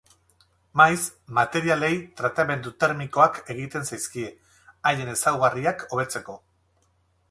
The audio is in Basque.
Maiz, materialei tratamendu termikoak egiten zaizkie, haien ezaugarriak hobetzeko.